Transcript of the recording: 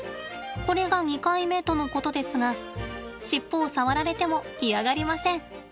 これが２回目とのことですが尻尾を触られても嫌がりません。